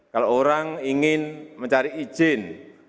kalau orang ingin mencari izin